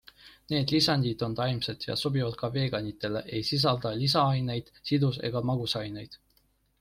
Need lisandid on taimsed ja sobivad ka veganitele, ei sisalda lisaaineid, sidus- ega magusaineid.